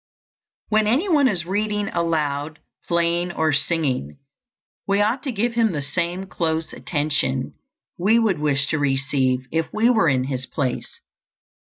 When any one is reading aloud, playing, or singing, we ought to give him the same close attention we would wish to receive if we were in his place.